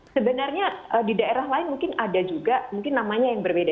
sebenarnya di daerah lain mungkin ada juga mungkin namanya yang berbeda